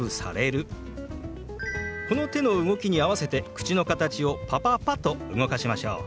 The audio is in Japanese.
この手の動きに合わせて口の形を「パパパ」と動かしましょう。